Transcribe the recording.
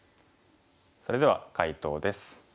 それでは解答です。